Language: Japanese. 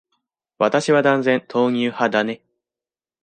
私は断然、豆乳派だね。